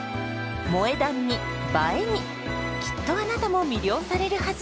「萌え断」に「映え」にきっとあなたも魅了されるはず！